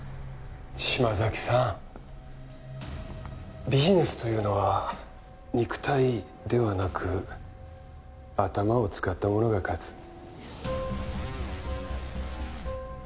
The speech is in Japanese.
島崎さんビジネスというのは肉体ではなく頭を使った者が勝つ。